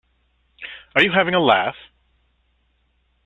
Are you having a laugh?